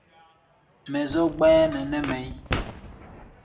Mɛ zɔ́k gbáyá nɛ nɛ́ mɛ̧ʼí̧.